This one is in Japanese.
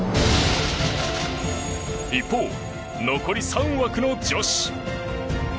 一方、残り３枠の女子。